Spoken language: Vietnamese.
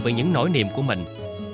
về những nỗi niềm của mình